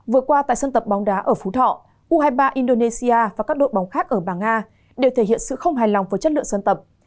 vừa qua tại sân tập bóng đá ở phú thọ u hai mươi ba indonesia và các đội bóng khác ở bà nga đều thể hiện sự không hài lòng với chất lượng dân tập